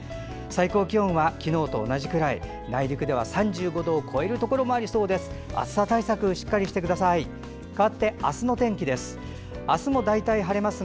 最高気温は昨日と同じくらい内陸部では３５度を超えるところもありそうです。